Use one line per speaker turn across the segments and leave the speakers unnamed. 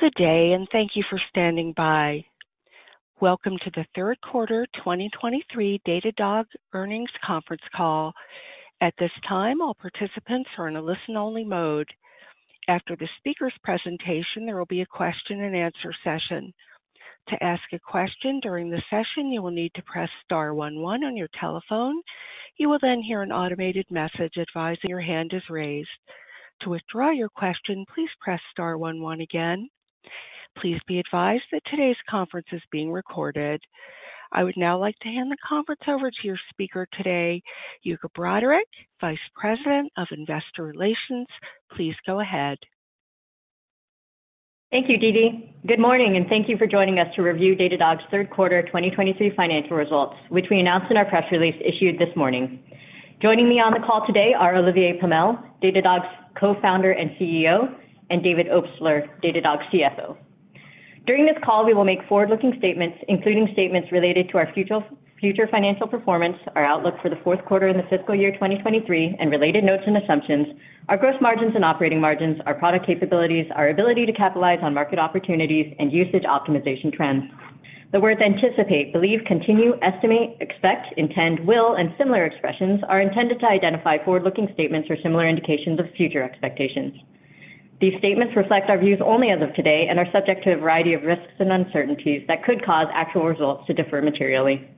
Good day, and thank you for standing by. Welcome to the third quarter 2023 Datadog earnings conference call. At this time, all participants are in a listen-only mode. After the speaker's presentation, there will be a question-and-answer session. To ask a question during the session, you will need to press star one one on your telephone. You will then hear an automated message advising your hand is raised. To withdraw your question, please press star one one again. Please be advised that today's conference is being recorded. I would now like to hand the conference over to your speaker today, Yuka Broderick, Vice President of Investor Relations. Please go ahead.
Thank you, Dee. Good morning, and thank you for joining us to review Datadog's third quarter 2023 financial results, which we announced in our press release issued this morning. Joining me on the call today are Olivier Pomel, Datadog's Co-founder and CEO, and David Obstler, Datadog's CFO. During this call, we will make forward-looking statements, including statements related to our future, future financial performance, our outlook for the fourth quarter in the fiscal year 2023, and related notes and assumptions, our gross margins and operating margins, our product capabilities, our ability to capitalize on market opportunities and usage optimization trends. The words anticipate, believe, continue, estimate, expect, intend, will, and similar expressions are intended to identify forward-looking statements or similar indications of future expectations. These statements reflect our views only as of today and are subject to a variety of risks and uncertainties that could cause actual results to differ materially.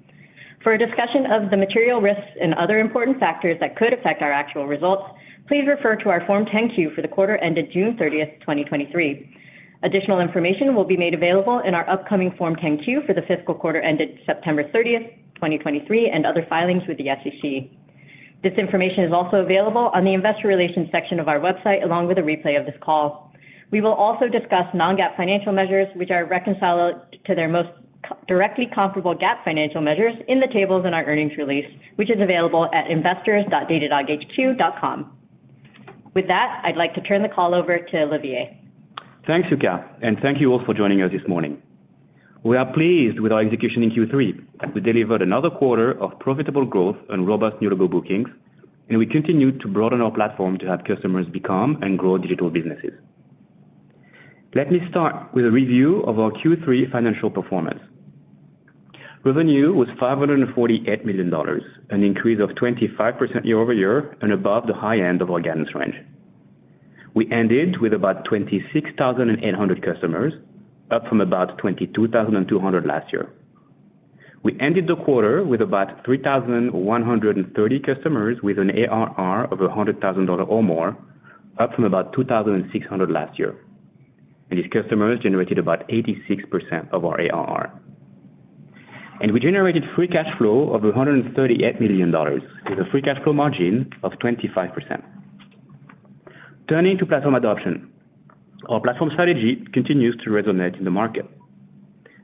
For a discussion of the material risks and other important factors that could affect our actual results, please refer to our Form 10-Q for the quarter ended June 30, 2023. Additional information will be made available in our upcoming Form 10-Q for the fiscal quarter ended September 30, 2023, and other filings with the SEC. This information is also available on the investor relations section of our website, along with a replay of this call. We will also discuss non-GAAP financial measures, which are reconciled to their most directly comparable GAAP financial measures in the tables in our earnings release, which is available at investors.datadoghq.com. With that, I'd like to turn the call over to Olivier.
Thanks, Yuka, and thank you all for joining us this morning. We are pleased with our execution in Q3. We delivered another quarter of profitable growth and robust new logo bookings, and we continued to broaden our platform to help customers become and grow digital businesses. Let me start with a review of our Q3 financial performance. Revenue was $548 million, an increase of 25% year over year and above the high end of our guidance range. We ended with about 26,800 customers, up from about 22,200 last year. We ended the quarter with about 3,130 customers with an ARR of $100,000 or more, up from about 2,600 last year. And these customers generated about 86% of our ARR. We generated free cash flow of $138 million, with a free cash flow margin of 25%. Turning to platform adoption. Our platform strategy continues to resonate in the market.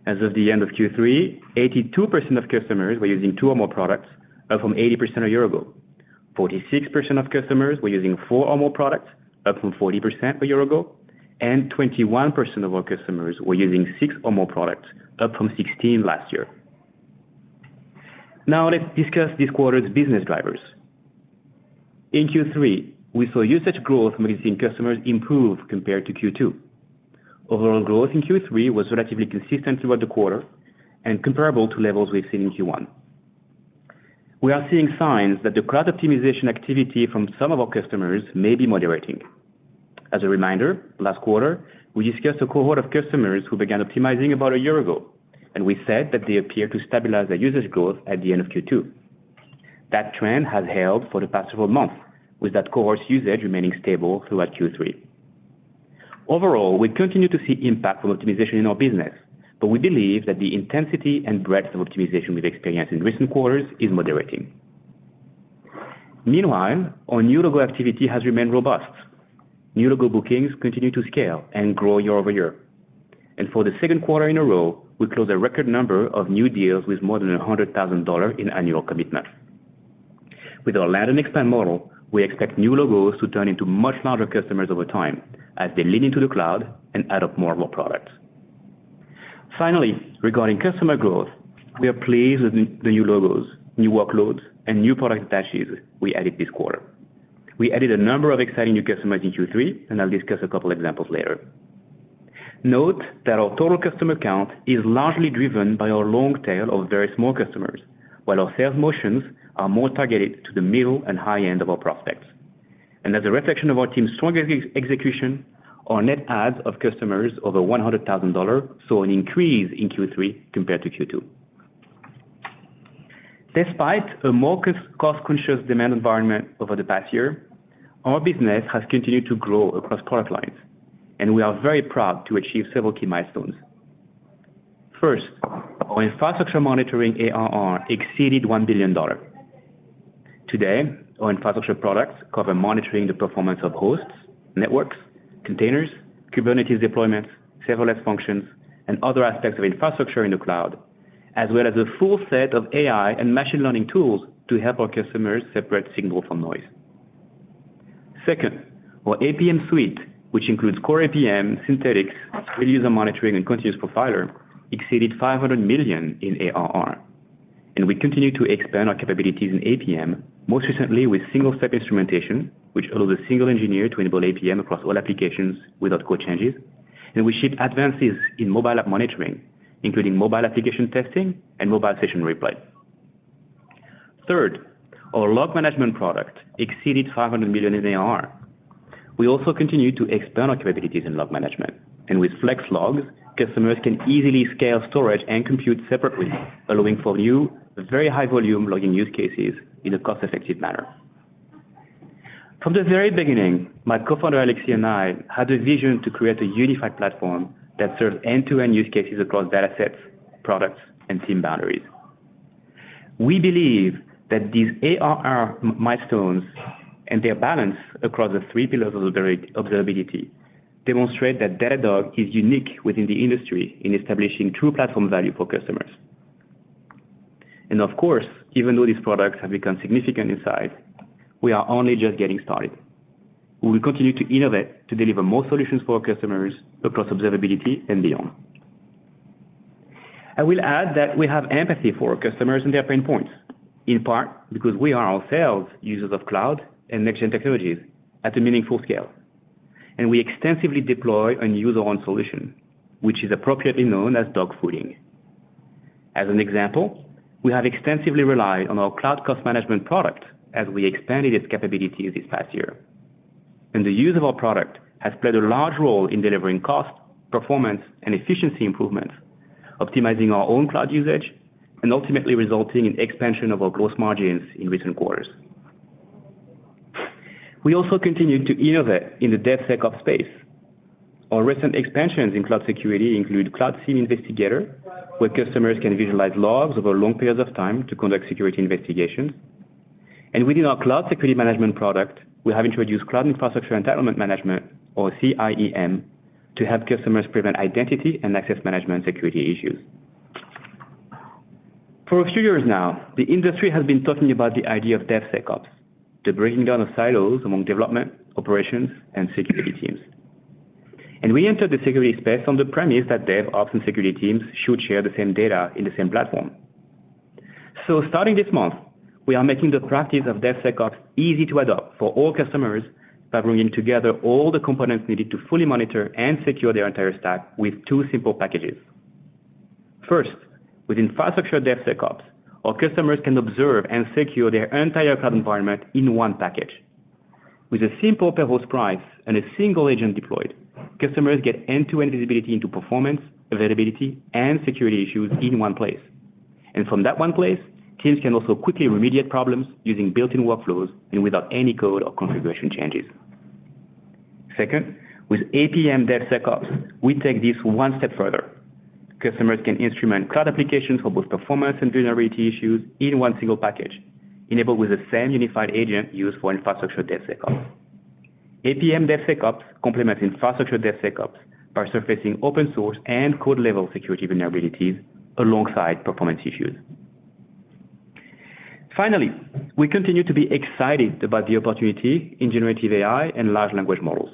As of the end of Q3, 82% of customers were using two or more products, up from 80% a year ago. 46% of customers were using four or more products, up from 40% a year ago, and 21% of our customers were using six or more products, up from 16 last year. Now let's discuss this quarter's business drivers. In Q3, we saw usage growth. We've seen customers improve compared to Q2. Overall growth in Q3 was relatively consistent throughout the quarter and comparable to levels we've seen in Q1. We are seeing signs that the cloud optimization activity from some of our customers may be moderating. As a reminder, last quarter, we discussed a cohort of customers who began optimizing about a year ago, and we said that they appeared to stabilize their usage growth at the end of Q2. That trend has held for the past several months, with that cohort's usage remaining stable throughout Q3. Overall, we continue to see impact from optimization in our business, but we believe that the intensity and breadth of optimization we've experienced in recent quarters is moderating. Meanwhile, our new logo activity has remained robust. New logo bookings continue to scale and grow year-over-year, and for the second quarter in a row, we closed a record number of new deals with more than $100,000 in annual commitment. With our land-and-expand model, we expect new logos to turn into much larger customers over time as they lean into the cloud and add up more and more products. Finally, regarding customer growth, we are pleased with the new logos, new workloads, and new product adds we added this quarter. We added a number of exciting new customers in Q3, and I'll discuss a couple examples later. Note that our total customer count is largely driven by our long tail of very small customers, while our sales motions are more targeted to the middle and high end of our prospects. As a reflection of our team's stronger execution, our net adds of customers over $100,000 saw an increase in Q3 compared to Q2. Despite a more cost-conscious demand environment over the past year, our business has continued to grow across product lines, and we are very proud to achieve several key milestones. First, our infrastructure monitoring ARR exceeded $1 billion. Today, our infrastructure products cover monitoring the performance of hosts, networks, containers, Kubernetes deployments, serverless functions, and other aspects of infrastructure in the cloud, as well as a full set of AI and machine learning tools to help our customers separate signal from noise. Second, our APM suite, which includes core APM, Synthetics, Real User Monitoring, and Continuous Profiler, exceeded $500 million in ARR, and we continue to expand our capabilities in APM, most recently with single-step instrumentation, which allows a single engineer to enable APM across all applications without code changes. We ship advances in mobile app monitoring, including mobile application testing and mobile session replay. Third, our log management product exceeded $500 million in ARR. We also continue to expand our capabilities in log management, and with Flex Logs, customers can easily scale storage and compute separately, allowing for new, very high volume logging use cases in a cost-effective manner. From the very beginning, my co-founder, Alexis, and I had a vision to create a unified platform that serves end-to-end use cases across data sets, products, and team boundaries. We believe that these ARR milestones and their balance across the three pillars of observability demonstrate that Datadog is unique within the industry in establishing true platform value for customers. Of course, even though these products have become significant in size, we are only just getting started. We will continue to innovate to deliver more solutions for our customers across observability and beyond. I will add that we have empathy for our customers and their pain points, in part because we are ourselves users of cloud and next-gen technologies at a meaningful scale, and we extensively deploy and use our own solution, which is appropriately known as dogfooding. As an example, we have extensively relied on our Cloud Cost Management product as we expanded its capabilities this past year. The use of our product has played a large role in delivering cost, performance, and efficiency improvements, optimizing our own cloud usage and ultimately resulting in expansion of our gross margins in recent quarters. We also continue to innovate in the DevSecOps space. Our recent expansions in cloud security include Cloud SIEM, where customers can visualize logs over long periods of time to conduct security investigations. Within our Cloud Security Management product, we have introduced Cloud Infrastructure Entitlement Management or CIEM, to help customers prevent identity and access management security issues. For a few years now, the industry has been talking about the idea of DevSecOps, the breaking down of silos among development, operations, and security teams. We entered the security space on the premise that dev, ops, and security teams should share the same data in the same platform. Starting this month, we are making the practice of DevSecOps easy to adopt for all customers by bringing together all the components needed to fully monitor and secure their entire stack with two simple packages. First, with Infrastructure DevSecOps, our customers can observe and secure their entire cloud environment in one package. With a simple pay-per-use price and a single agent deployed, customers get end-to-end visibility into performance, availability, and security issues in one place. From that one place, teams can also quickly remediate problems using built-in workflows and without any code or configuration changes. Second, with APM DevSecOps, we take this one step further. Customers can instrument cloud applications for both performance and vulnerability issues in one single package, enabled with the same unified agent used for Infrastructure DevSecOps. APM DevSecOps complements Infrastructure DevSecOps by surfacing open source and code-level security vulnerabilities alongside performance issues. Finally, we continue to be excited about the opportunity in generative AI and large language models.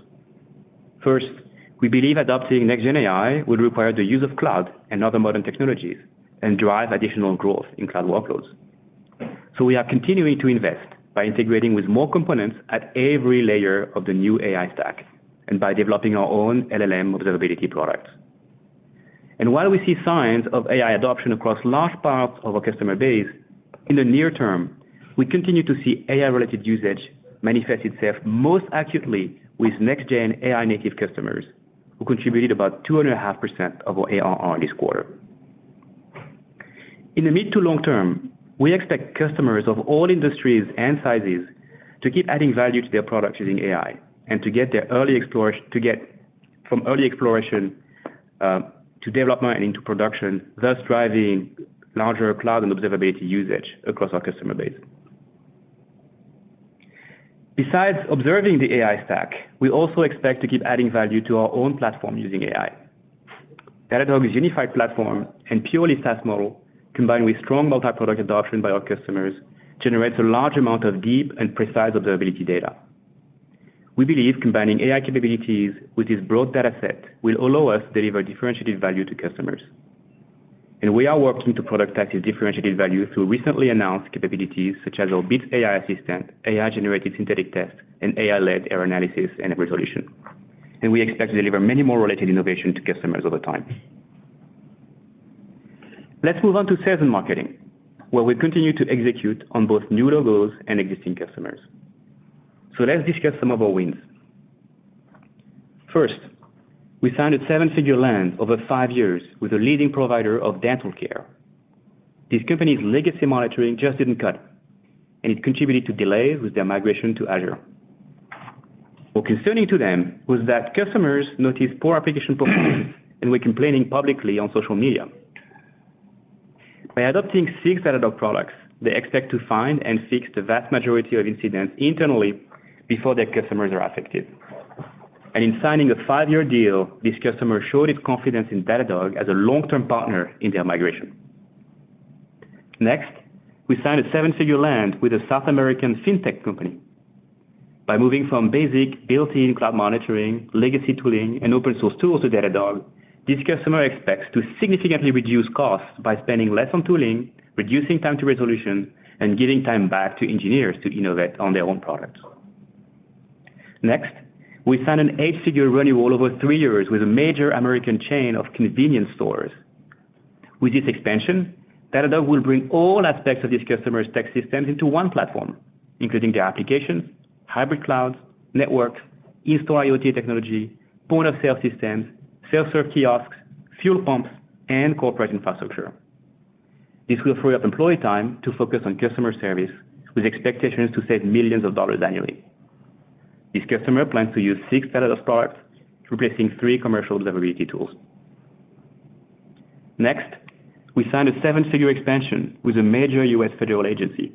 First, we believe adopting next-gen AI will require the use of cloud and other modern technologies, and drive additional growth in cloud workloads. So we are continuing to invest by integrating with more components at every layer of the new AI stack and by developing our own LLM observability product. While we see signs of AI adoption across large parts of our customer base, in the near term, we continue to see AI-related usage manifest itself most accurately with next-gen AI-native customers, who contributed about 2.5% of our ARR this quarter. In the mid- to long-term, we expect customers of all industries and sizes to keep adding value to their products using AI, and to get from early exploration to development and into production, thus driving larger cloud and observability usage across our customer base. Besides observing the AI stack, we also expect to keep adding value to our own platform using AI. Datadog's unified platform and purely SaaS model, combined with strong multi-product adoption by our customers, generates a large amount of deep and precise observability data. We believe combining AI capabilities with this broad data set will allow us to deliver differentiated value to customers, and we are working to productize this differentiated value through recently announced capabilities, such as our Bits AI assistant, AI-generated synthetic tests, and AI-led error analysis and resolution. We expect to deliver many more related innovation to customers over time. Let's move on to sales and marketing, where we continue to execute on both new logos and existing customers. So let's discuss some of our wins. First, we signed a seven-figure land over five years with a leading provider of dental care. This company's legacy monitoring just didn't cut it, and it contributed to delays with their migration to Azure. What was concerning to them was that customers noticed poor application performance and were complaining publicly on social media. By adopting six out of our products, they expect to find and fix the vast majority of incidents internally before their customers are affected. In signing a 5-year deal, this customer showed its confidence in Datadog as a long-term partner in their migration. Next, we signed a 7-figure land with a South American fintech company. By moving from basic built-in cloud monitoring, legacy tooling, and open source tools to Datadog, this customer expects to significantly reduce costs by spending less on tooling, reducing time to resolution, and giving time back to engineers to innovate on their own products. Next, we signed an 8-figure renewal over 3 years with a major American chain of convenience stores. With this expansion, Datadog will bring all aspects of this customer's tech systems into one platform, including their applications, hybrid clouds, networks, in-store IoT technology, point-of-sale systems, self-serve kiosks, fuel pumps, and corporate infrastructure. This will free up employee time to focus on customer service, with expectations to save millions of dollars annually. This customer plans to use six Datadog products, replacing three commercial observability tools. Next, we signed a seven-figure expansion with a major U.S. federal agency.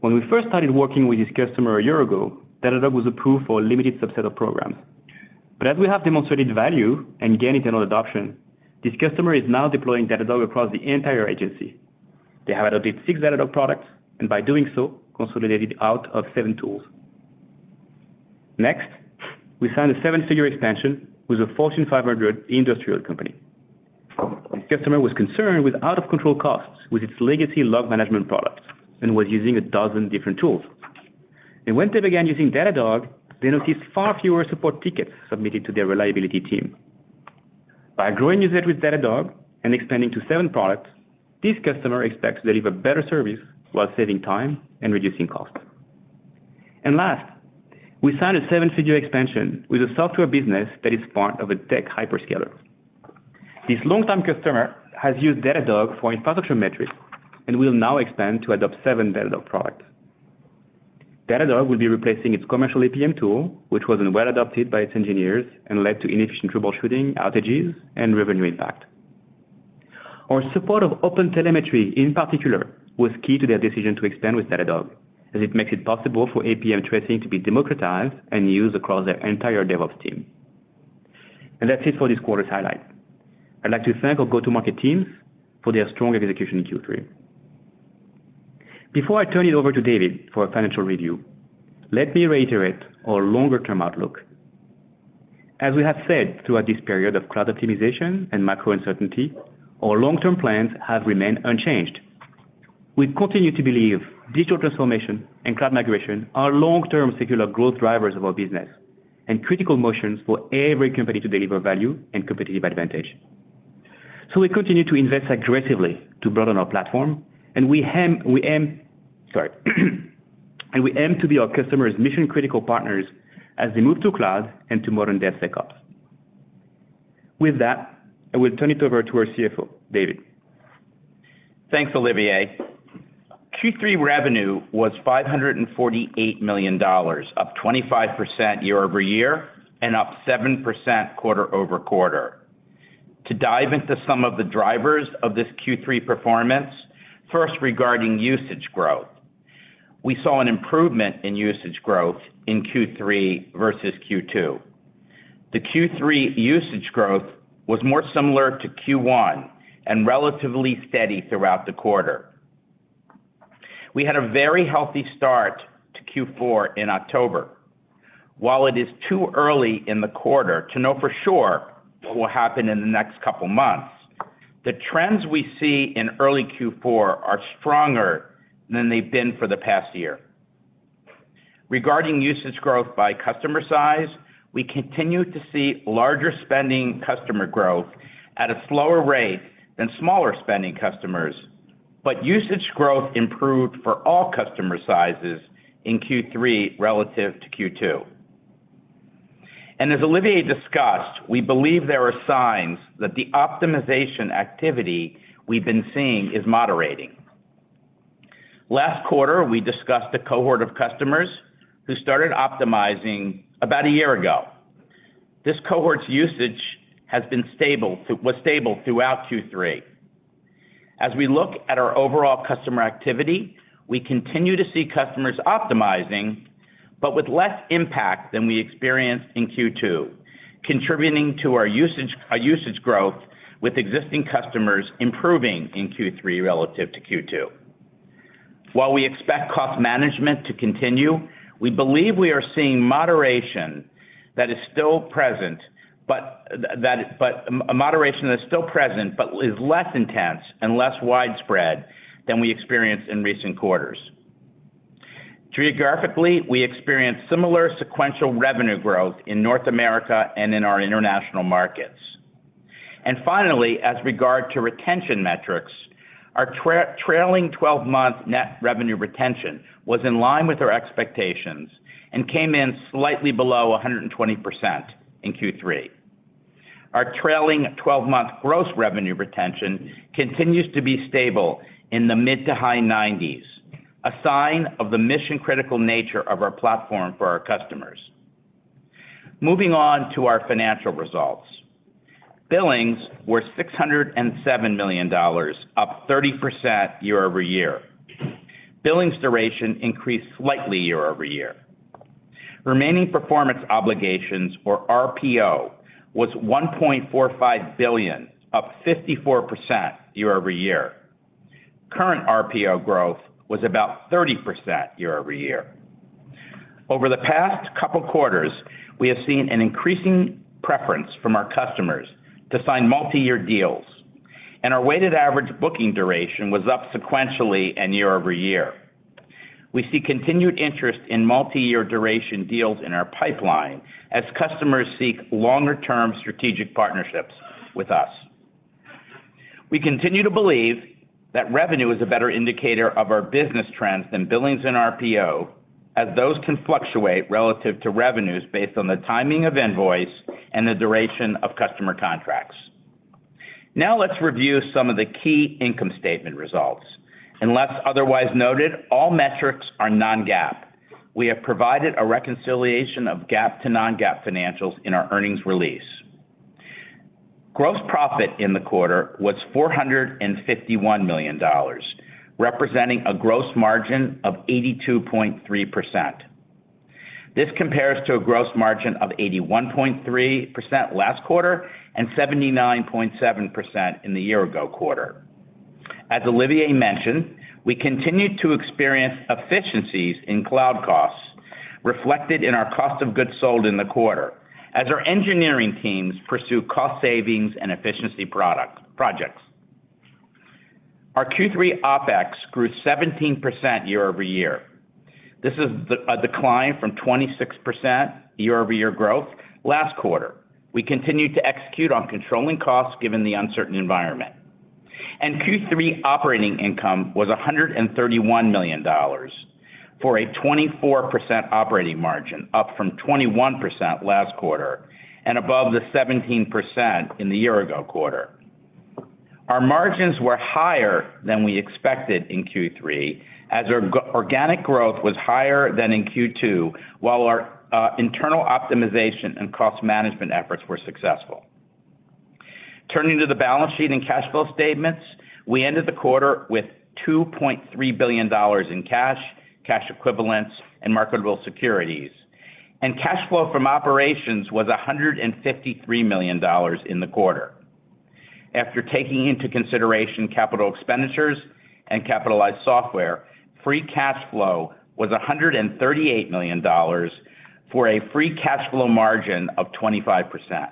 When we first started working with this customer a year ago, Datadog was approved for a limited subset of programs. But as we have demonstrated value and gained internal adoption, this customer is now deploying Datadog across the entire agency. They have adopted six Datadog products, and by doing so, consolidated out of seven tools. Next, we signed a seven-figure expansion with a Fortune 500 industrial company. This customer was concerned with out-of-control costs with its legacy log management products and was using a dozen different tools. Once they began using Datadog, they noticed far fewer support tickets submitted to their reliability team. By growing usage with Datadog and expanding to seven products, this customer expects to deliver better service while saving time and reducing cost. Last, we signed a seven-figure expansion with a software business that is part of a tech hyperscaler. This long-time customer has used Datadog for infrastructure metrics and will now expand to adopt seven Datadog products. Datadog will be replacing its commercial APM tool, which wasn't well adopted by its engineers and led to inefficient troubleshooting, outages, and revenue impact. Our support of OpenTelemetry, in particular, was key to their decision to expand with Datadog, as it makes it possible for APM tracing to be democratized and used across their entire DevOps team. That's it for this quarter's highlight. I'd like to thank our go-to-market teams for their strong execution in Q3. Before I turn it over to David for a financial review, let me reiterate our longer-term outlook. As we have said, throughout this period of cloud optimization and macro uncertainty, our long-term plans have remained unchanged. We continue to believe digital transformation and cloud migration are long-term secular growth drivers of our business and critical motions for every company to deliver value and competitive advantage. So we continue to invest aggressively to broaden our platform, and we aim to be our customers' mission-critical partners as they move to cloud and to modern DevSecOps. With that, I will turn it over to our CFO, David.
Thanks, Olivier. Q3 revenue was $548 million, up 25% year-over-year and up 7% quarter-over-quarter. To dive into some of the drivers of this Q3 performance, first, regarding usage growth. We saw an improvement in usage growth in Q3 versus Q2. The Q3 usage growth was more similar to Q1 and relatively steady throughout the quarter. We had a very healthy start to Q4 in October. While it is too early in the quarter to know for sure what will happen in the next couple of months, the trends we see in early Q4 are stronger than they've been for the past year. Regarding usage growth by customer size, we continue to see larger spending customer growth at a slower rate than smaller spending customers, but usage growth improved for all customer sizes in Q3 relative to Q2. As Olivier discussed, we believe there are signs that the optimization activity we've been seeing is moderating. Last quarter, we discussed a cohort of customers who started optimizing about a year ago. This cohort's usage was stable throughout Q3. As we look at our overall customer activity, we continue to see customers optimizing, but with less impact than we experienced in Q2, contributing to our usage, our usage growth with existing customers improving in Q3 relative to Q2. While we expect cost management to continue, we believe we are seeing a moderation that's still present but is less intense and less widespread than we experienced in recent quarters. Geographically, we experienced similar sequential revenue growth in North America and in our international markets. And finally, as regards to retention metrics, our trailing twelve-month net revenue retention was in line with our expectations and came in slightly below 120% in Q3. Our trailing twelve-month gross revenue retention continues to be stable in the mid- to high 90s, a sign of the mission-critical nature of our platform for our customers. Moving on to our financial results. Billings were $607 million, up 30% year-over-year. Billings duration increased slightly year-over-year. Remaining performance obligations, or RPO, was $1.45 billion, up 54% year-over-year. Current RPO growth was about 30% year-over-year. Over the past couple quarters, we have seen an increasing preference from our customers to sign multi-year deals, and our weighted average booking duration was up sequentially and year-over-year. We see continued interest in multi-year duration deals in our pipeline as customers seek longer-term strategic partnerships with us. We continue to believe that revenue is a better indicator of our business trends than billings and RPO, as those can fluctuate relative to revenues based on the timing of invoice and the duration of customer contracts. Now let's review some of the key income statement results. Unless otherwise noted, all metrics are non-GAAP. We have provided a reconciliation of GAAP to non-GAAP financials in our earnings release. Gross profit in the quarter was $451 million, representing a gross margin of 82.3%. This compares to a gross margin of 81.3% last quarter and 79.7% in the year ago quarter. As Olivier mentioned, we continued to experience efficiencies in cloud costs, reflected in our cost of goods sold in the quarter, as our engineering teams pursue cost savings and efficiency projects. Our Q3 OpEx grew 17% year-over-year. This is a decline from 26% year-over-year growth last quarter. We continued to execute on controlling costs given the uncertain environment. Q3 operating income was $131 million for a 24% operating margin, up from 21% last quarter and above the 17% in the year-ago quarter. Our margins were higher than we expected in Q3, as our organic growth was higher than in Q2, while our internal optimization and cost management efforts were successful. Turning to the balance sheet and cash flow statements, we ended the quarter with $2.3 billion in cash, cash equivalents, and marketable securities. Cash flow from operations was $153 million in the quarter. After taking into consideration capital expenditures and capitalized software, free cash flow was $138 million, for a free cash flow margin of 25%.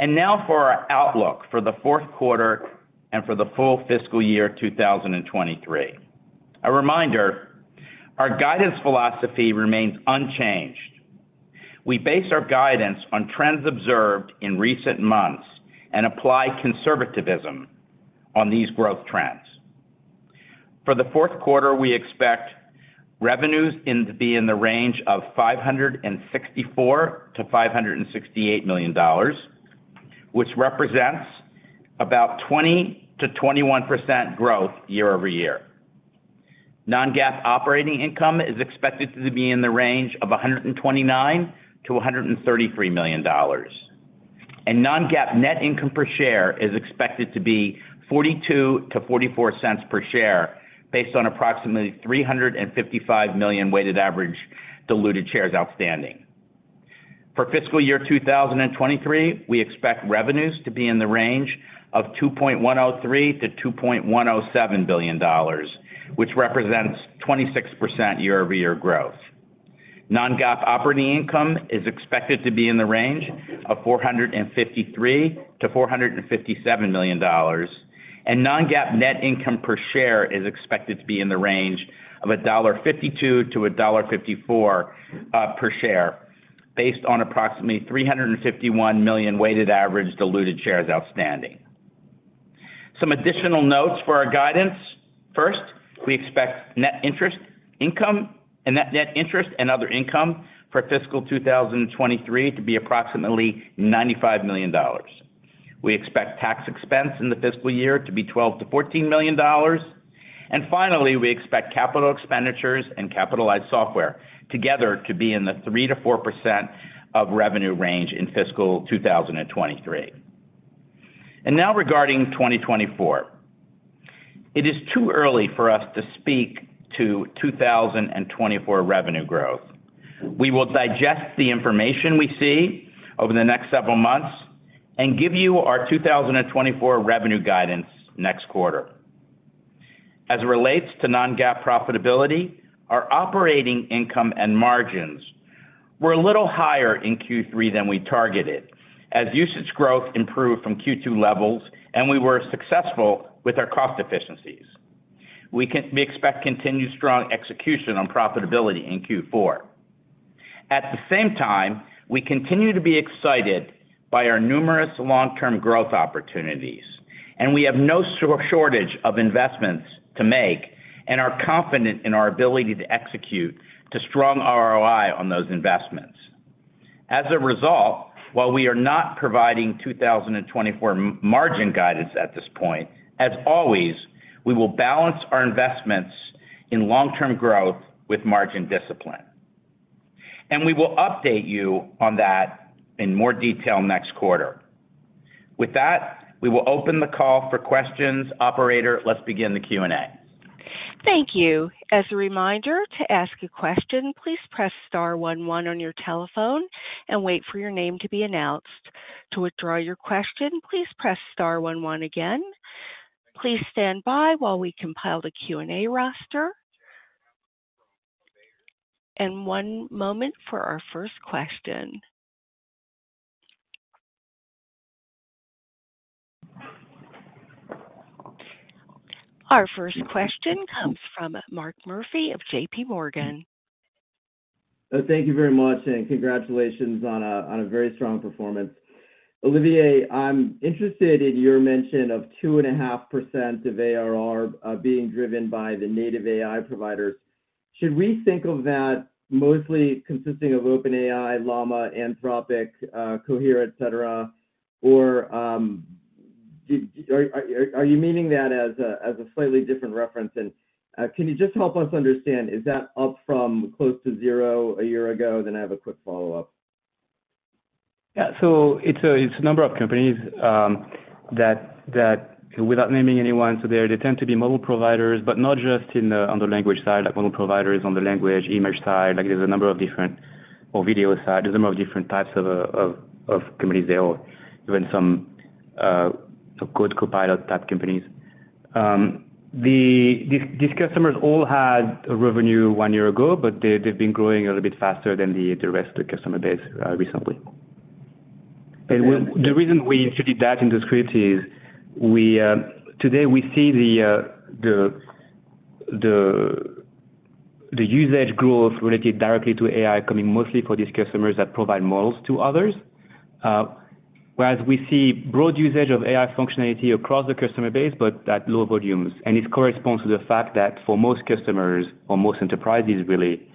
Now for our outlook for the fourth quarter and for the full fiscal year 2023. A reminder, our guidance philosophy remains unchanged. We base our guidance on trends observed in recent months and apply conservativism on these growth trends. For the fourth quarter, we expect revenues to be in the range of $564 million-$568 million, which represents about 20%-21% growth year-over-year. Non-GAAP operating income is expected to be in the range of $129 million-$133 million, and non-GAAP net income per share is expected to be $0.42-$0.44 per share, based on approximately 355 million weighted average diluted shares outstanding. For fiscal year 2023, we expect revenues to be in the range of $2.103 billion-$2.107 billion, which represents 26% year-over-year growth. Non-GAAP operating income is expected to be in the range of $453 million-$457 million, and non-GAAP net income per share is expected to be in the range of $1.52-$1.54 per share, based on approximately 351 million weighted average diluted shares outstanding. Some additional notes for our guidance. First, we expect net interest income and net- net interest and other income for fiscal 2023 to be approximately $95 million. We expect tax expense in the fiscal year to be $12 million-$14 million. And finally, we expect capital expenditures and capitalized software together to be in the 3%-4% of revenue range in fiscal 2023. And now regarding 2024. It is too early for us to speak to 2024 revenue growth. We will digest the information we see over the next several months and give you our 2024 revenue guidance next quarter. As it relates to non-GAAP profitability, our operating income and margins were a little higher in Q3 than we targeted, as usage growth improved from Q2 levels and we were successful with our cost efficiencies. We expect continued strong execution on profitability in Q4. At the same time, we continue to be excited by our numerous long-term growth opportunities, and we have no shortage of investments to make and are confident in our ability to execute to strong ROI on those investments. As a result, while we are not providing 2024 margin guidance at this point, as always, we will balance our investments in long-term growth with margin discipline, and we will update you on that in more detail next quarter. With that, we will open the call for questions. Operator, let's begin the Q&A.
Thank you. As a reminder, to ask a question, please press star one one on your telephone and wait for your name to be announced. To withdraw your question, please press star one one again. Please stand by while we compile the Q&A roster. One moment for our first question. Our first question comes from Mark Murphy of JPMorgan.
Thank you very much, and congratulations on a very strong performance. Olivier, I'm interested in your mention of 2.5% of ARR being driven by the native AI providers. Should we think of that mostly consisting of OpenAI, Llama, Anthropic, Cohere, et cetera? Or, are you meaning that as a slightly different reference? And, can you just help us understand, is that up from close to zero a year ago? Then I have a quick follow-up.
Yeah. So it's a number of companies that without naming anyone, so they tend to be model providers, but not just on the language side, like model providers on the language, image side. Like, there's a number of different or video side, there's a number of different types of companies there, or even some code copilot type companies. These customers all had a revenue one year ago, but they've been growing a little bit faster than the rest of the customer base recently. And the reason we included that in the script is today we see the usage growth related directly to AI coming mostly for these customers that provide models to others. Whereas we see broad usage of AI functionality across the customer base, but at low volumes. It corresponds to the fact that for most customers or most enterprises really,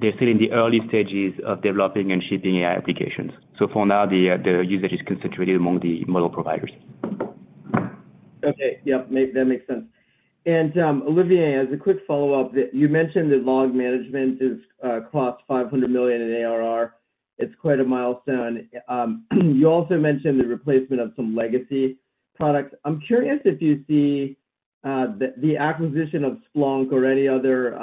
they're still in the early stages of developing and shipping AI applications. For now, the usage is concentrated among the model providers.
Okay. Yep, that makes sense. And, Olivier, as a quick follow-up, you mentioned that log management is crossed $500 million in ARR. It's quite a milestone. You also mentioned the replacement of some legacy products. I'm curious if you see the acquisition of Splunk or any other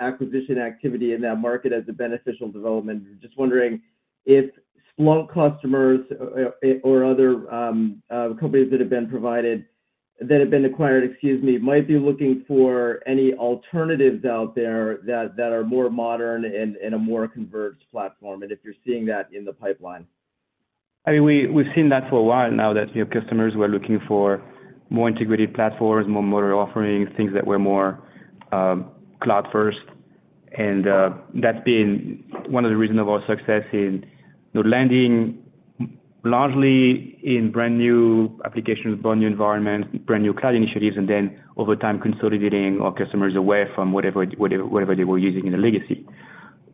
acquisition activity in that market as a beneficial development. Just wondering if Splunk customers or other companies that have been provided, that have been acquired, excuse me, might be looking for any alternatives out there that are more modern and a more converged platform, and if you're seeing that in the pipeline.
I mean, we, we've seen that for a while now that customers were looking for more integrated platforms, more modern offerings, things that were more, cloud first. And, that's been one of the reasons of our success in landing largely in brand new applications, brand new environments, brand new cloud initiatives, and then over time, consolidating our customers away from whatever, whatever, whatever they were using in the legacy.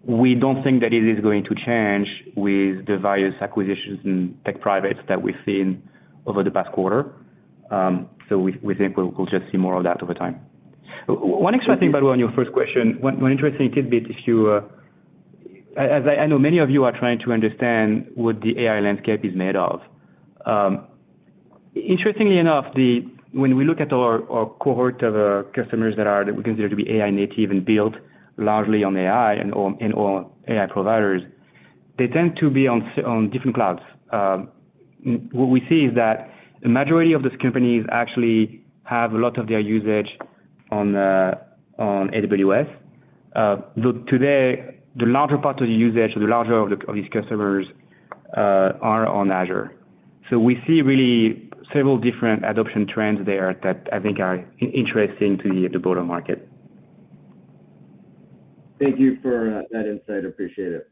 We don't think that it is going to change with the various acquisitions and take-privates that we've seen over the past quarter. So we, we think we'll, we'll just see more of that over time. One interesting thing, by the way, on your first question, one, one interesting tidbit, if you... As I, I know many of you are trying to understand what the AI landscape is made of. Interestingly enough, when we look at our cohort of customers that we consider to be AI-native and built largely on AI and/or AI providers, they tend to be on different clouds. What we see is that the majority of these companies actually have a lot of their usage on AWS. Though today, the larger part of the usage or the larger of these customers are on Azure. So we see really several different adoption trends there that I think are interesting to the broader market.
Thank you for that insight. Appreciate it.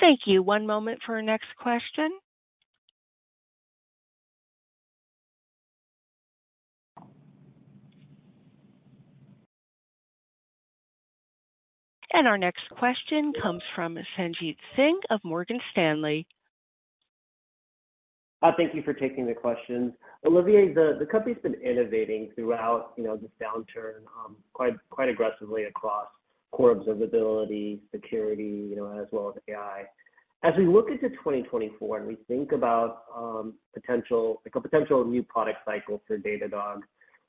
Thank you. One moment for our next question. Our next question comes from Sanjit Singh of Morgan Stanley.
Thank you for taking the questions. Olivier, the company's been innovating throughout this downturn, quite aggressively across core observability, security as well as AI. As we look into 2024 and we think about potential, a potential new product cycle for Datadog,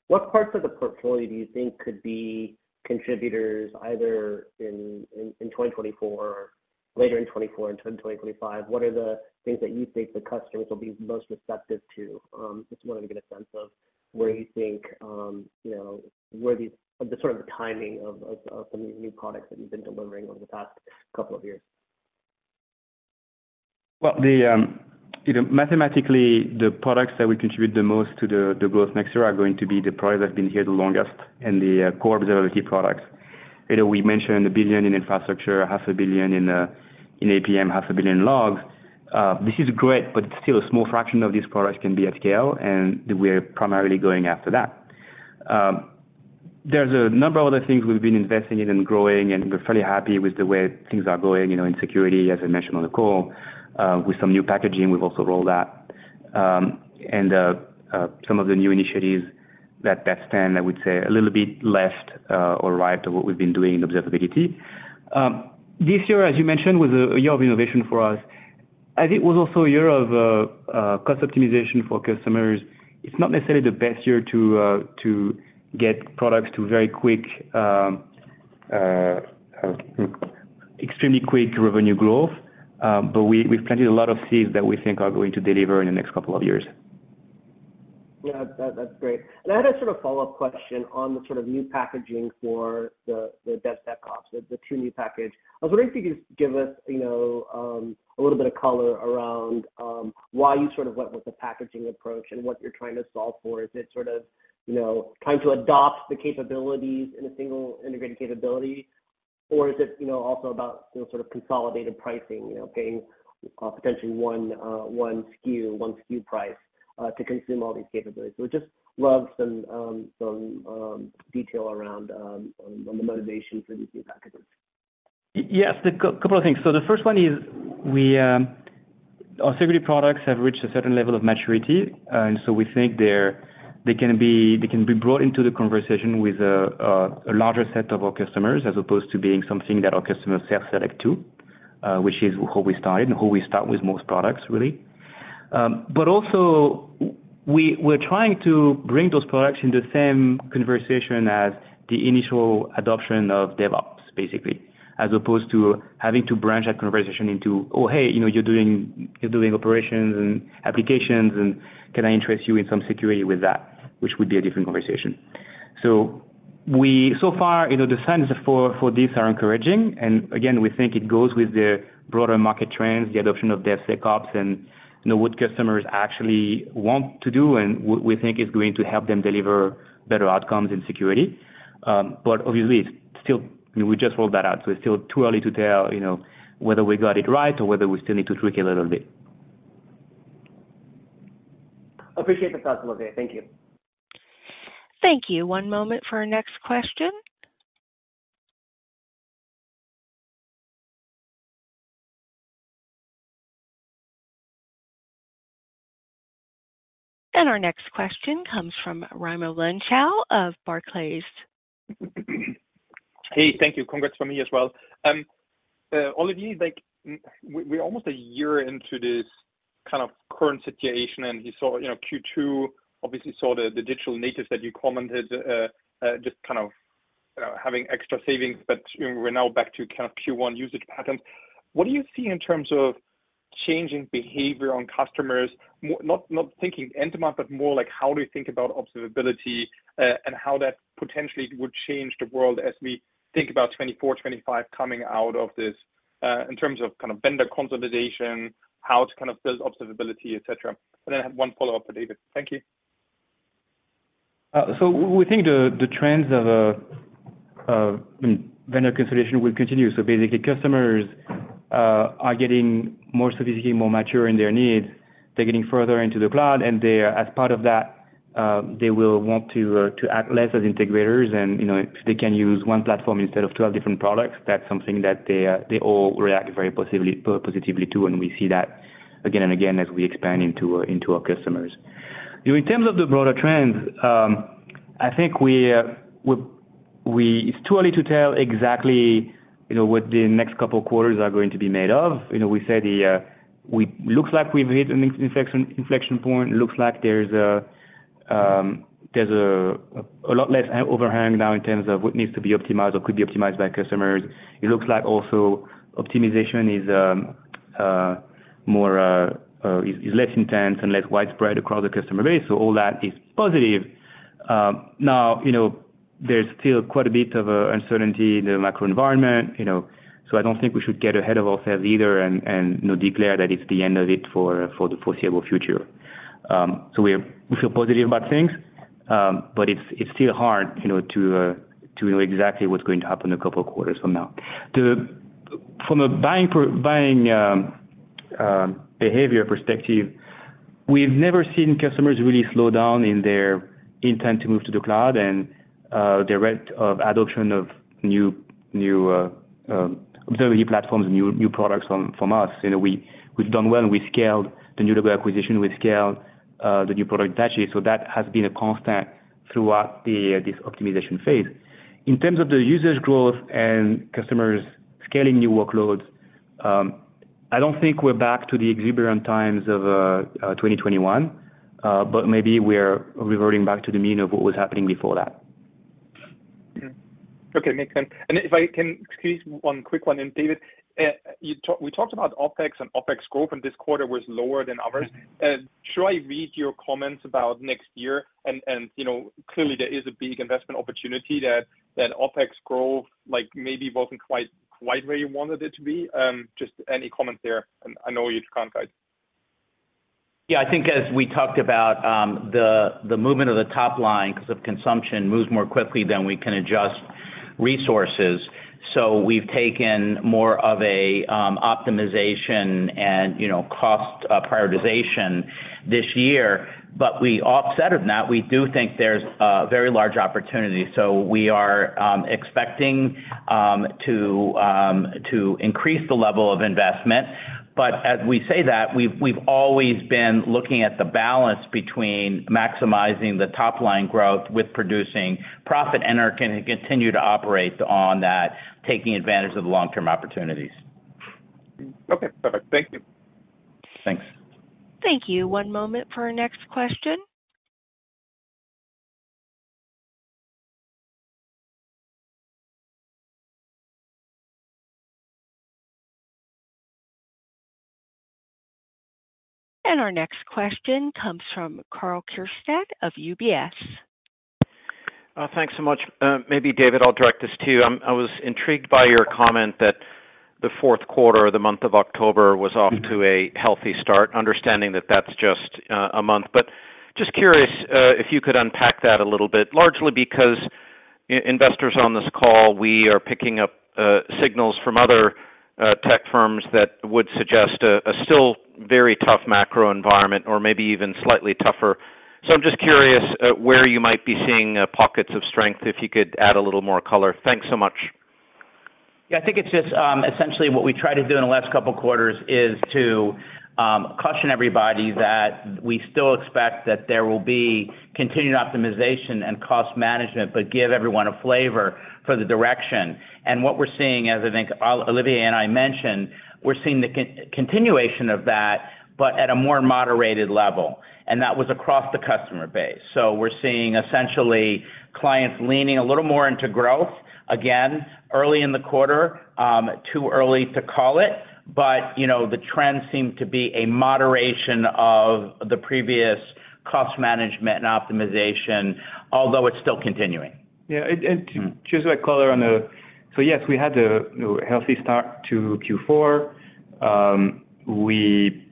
what parts of the portfolio do you think could be contributors, either in 2024 or later in 2024 and into 2025? What are the things that you think the customers will be most receptive to? Just wanted to get a sense of where you think where these, the sort of the timing of some of these new products that you've been delivering over the past couple of years.
Well mathematically, the products that we contribute the most to the growth mixer are going to be the products that have been here the longest and the core observability products. You know, we mentioned $1 billion in infrastructure, $500 million in APM, $500 million in logs. This is great, but still a small fraction of these products can be at scale, and we're primarily going after that. There's a number of other things we've been investing in and growing, and we're fairly happy with the way things are going in security, as I mentioned on the call. With some new packaging, we've also rolled out and some of the new initiatives that stand, I would say, a little bit left or right of what we've been doing in observability. This year, as you mentioned, was a year of innovation for us. I think it was also a year of cost optimization for customers. It's not necessarily the best year to get products to very quick, extremely quick revenue growth. But we've planted a lot of seeds that we think are going to deliver in the next couple of years.
Yeah, that's great. And I had a sort of follow-up question on the sort of new packaging for the DevSecOps, the two new package. I was wondering if you could just give us a little bit of color around why you sort of went with the packaging approach and what you're trying to solve for. Is it sort of trying to adopt the capabilities in a single integrated capability, or is it also about the sort of consolidated pricing paying potentially one SKU price to consume all these capabilities? So just love some detail around on the motivation for these new packages.
Yes, the couple of things. So the first one is we, our security products have reached a certain level of maturity, and so we think they can be, they can be brought into the conversation with a larger set of our customers, as opposed to being something that our customers self-select to, which is how we started and how we start with most products, really. But also we're trying to bring those products in the same conversation as the initial adoption of DevOps, basically, as opposed to having to branch that conversation into, "Oh, hey you're doing, you're doing operations and applications, and can I interest you in some security with that?" Which would be a different conversation. So far the signs for this are encouraging, and again, we think it goes with the broader market trends, the adoption of DevSecOps, and what customers actually want to do and we think is going to help them deliver better outcomes in security. But obviously, it's still... We just rolled that out, so it's still too early to tell whether we got it right or whether we still need to tweak it a little bit.
Appreciate the thoughts, Olivier. Thank you.
Thank you. One moment for our next question. Our next question comes from Raimo Lenschow of Barclays.
Hey, thank you. Congrats from me as well. Olivier, we're almost a year into this kind of current situation, and you saw Q2 obviously saw the digital natives that you commented, just kind of having extra savings, but we're now back to kind of Q1 usage patterns. What do you see in terms of changing behavior on customers? Not thinking end-to-market, but more like, how do you think about observability, and how that potentially would change the world as we think about 2024, 2025 coming out of this, in terms of kind of vendor consolidation, how to kind of build observability, et cetera? And I have one follow-up for David. Thank you.
So we think the trends of vendor consolidation will continue. So basically, customers are getting more sophisticated, more mature in their needs. They're getting further into the cloud, and they are, as part of that, they will want to act less as integrators. and if they can use one platform instead of 12 different products, that's something that they all react very positively to, and we see that again and again as we expand into our customers. In terms of the broader trends, I think it's too early to tell exactly what the next couple quarters are going to be made of. You know, we said it looks like we've hit an inflection point. Looks like there's a lot less overhang now in terms of what needs to be optimized or could be optimized by customers. It looks like also optimization is less intense and less widespread across the customer base. So all that is positive. now there's still quite a bit of uncertainty in the macro environment, you know. So I don't think we should get ahead of ourselves either and you know, declare that it's the end of it for the foreseeable future. So we're, we feel positive about things, but it's still hard to know exactly what's going to happen a couple of quarters from now. From a buying behavior perspective, we've never seen customers really slow down in their intent to move to the cloud and the rate of adoption of new platforms and new products from us. You know, we've done well, and we scaled the new acquisition, we scaled the new product actually. So that has been a constant throughout this optimization phase. In terms of the usage growth and customers scaling new workloads, I don't think we're back to the exuberant times of 2021, but maybe we're reverting back to the mean of what was happening before that.
Okay, makes sense. And if I can squeeze one quick one in, David. We talked about OpEx and OpEx scope, and this quarter was lower than others. Should I read your comments about next year? And you know, clearly there is a big investment opportunity that OpEx growth, like, maybe wasn't quite where you wanted it to be. Just any comments there, and I know you can't guide.
Yeah, I think as we talked about, the, the movement of the top line because of consumption moves more quickly than we can adjust resources. So we've taken more of a, optimization and cost, prioritization this year. But we offset that, we do think there's a very large opportunity, so we are, expecting, to, to increase the level of investment. But as we say that, we've always been looking at the balance between maximizing the top-line growth with producing profit, and are gonna continue to operate on that, taking advantage of the long-term opportunities.
Okay, perfect. Thank you.
Thanks.
Thank you. One moment for our next question. Our next question comes from Karl Keirstead of UBS.
Thanks so much. Maybe, David, I'll direct this to you. I was intrigued by your comment that the fourth quarter, the month of October, was off to a healthy start, understanding that that's just a month. But just curious if you could unpack that a little bit, largely because investors on this call, we are picking up signals from other tech firms that would suggest a still very tough macro environment or maybe even slightly tougher. So I'm just curious where you might be seeing pockets of strength, if you could add a little more color. Thanks so much.
Yeah, I think it's just essentially what we tried to do in the last couple of quarters is to caution everybody that we still expect that there will be continued optimization and cost management, but give everyone a flavor for the direction. And what we're seeing, as I think Olivier and I mentioned, we're seeing the continuation of that, but at a more moderated level, and that was across the customer base. So we're seeing essentially clients leaning a little more into growth. Again, early in the quarter, too early to call it, but you know, the trends seem to be a moderation of the previous cost management and optimization, although it's still continuing.
Yeah, and just to add color on the... So, yes, we had a healthy start to Q4. We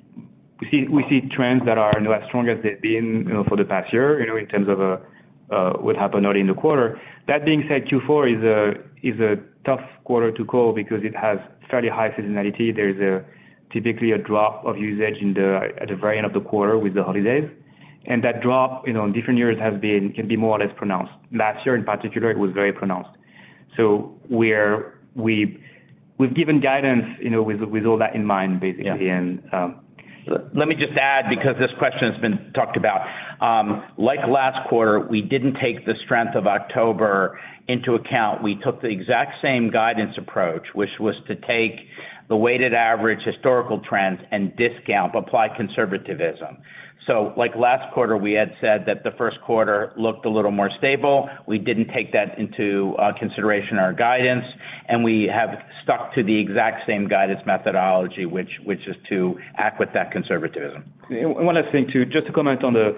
see trends that are not as strong as they've been for the past year in terms of what happened early in the quarter. That being said, Q4 is a tough quarter to call because it has fairly high seasonality. There's typically a drop of usage at the very end of the quarter with the holidays, and that drop in different years has been, can be more or less pronounced. Last year, in particular, it was very pronounced. So we've given guidance with all that in mind, basically.
Yeah. Let me just add, because this question has been talked about. Like last quarter, we didn't take the strength of October into account. We took the exact same guidance approach, which was to take the weighted average historical trends and discount, apply conservatism. So like last quarter, we had said that the first quarter looked a little more stable. We didn't take that into consideration our guidance, and we have stuck to the exact same guidance methodology, which is to act with that conservatism.
One last thing, too, just to comment on the-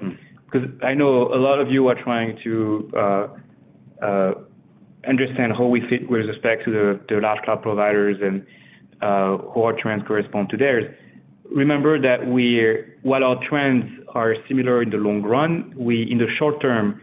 because I know a lot of you are trying to understand how we fit with respect to the large cloud providers and how our trends correspond to theirs. Remember that we're, while our trends are similar in the long run, we, in the short term,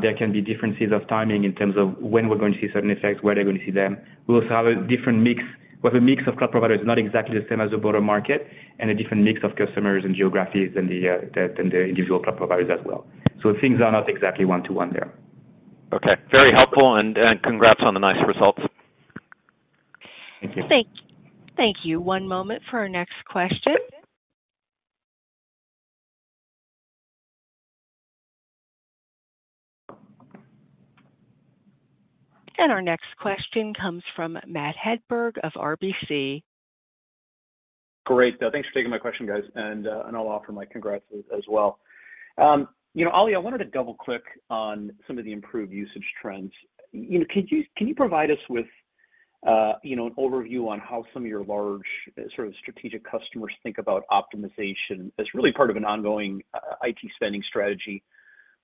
there can be differences of timing in terms of when we're going to see certain effects, where they're going to see them. We also have a different mix, where the mix of cloud providers is not exactly the same as the broader market, and a different mix of customers and geographies than the individual cloud providers as well. So things are not exactly one to one there.
Okay. Very helpful, and congrats on the nice results.
Thank you.
Thank you. One moment for our next question. Our next question comes from Matt Hedberg of RBC.
Great. Thanks for taking my question, guys, and I'll offer my congrats as well. You know, Oli, I wanted to double-click on some of the improved usage trends. You know, can you provide us with an overview on how some of your large, sort of strategic customers think about optimization as really part of an ongoing IT spending strategy,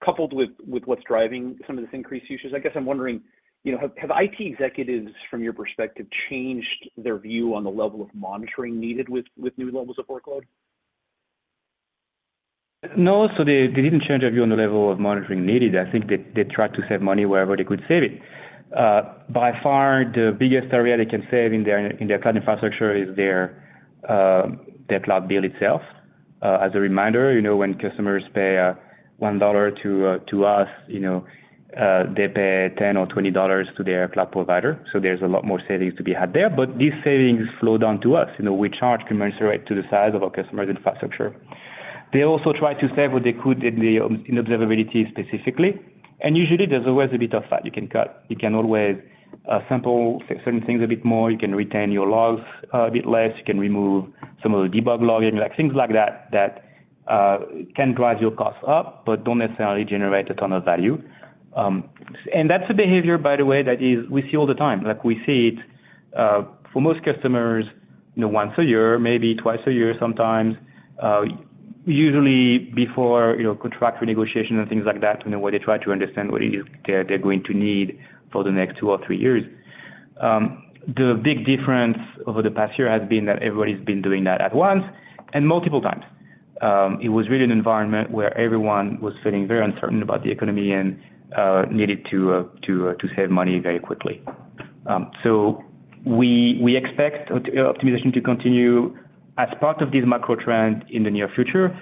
coupled with what's driving some of this increased usage? I guess I'm wondering have IT executives, from your perspective, changed their view on the level of monitoring needed with new levels of workload?
No, so they didn't change their view on the level of monitoring needed. I think they tried to save money wherever they could save it. By far, the biggest area they can save in their cloud infrastructure is their cloud bill itself. As a reminder when customers pay $1 to us they pay $10 or $20 to their cloud provider, so there's a lot more savings to be had there. But these savings flow down to us. You know, we charge commensurate to the size of our customer's infrastructure. They also try to save what they could in the observability specifically, and usually there's always a bit of fat you can cut. You can always sample certain things a bit more, you can retain your logs a bit less, you can remove some of the debug logging, like, things like that that can drive your costs up, but don't necessarily generate a ton of value. And that's a behavior, by the way, that is we see all the time. Like, we see it for most customers once a year, maybe twice a year, sometimes, usually before contract renegotiation and things like that where they try to understand what they're going to need for the next two or three years. The big difference over the past year has been that everybody's been doing that at once and multiple times. It was really an environment where everyone was feeling very uncertain about the economy and needed to save money very quickly. So we expect optimization to continue as part of this macro trend in the near future,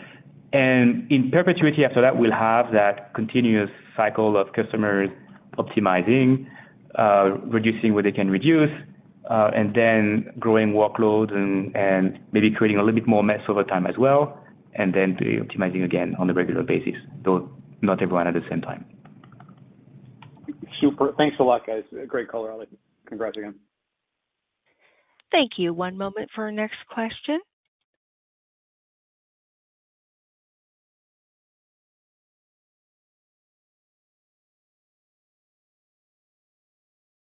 and in perpetuity after that, we'll have that continuous cycle of customers optimizing, reducing what they can reduce, and then growing workloads and maybe creating a little bit more mess over time as well, and then re-optimizing again on a regular basis, though not everyone at the same time.
Super. Thanks a lot, guys. Great call, Oli. Congrats again.
Thank you. One moment for our next question.